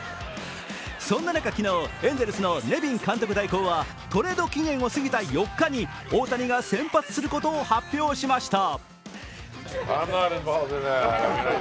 そんな中、昨日、エンゼルスのネビン監督代行はトレード期限を過ぎた４日に大谷が先発することを発表しました。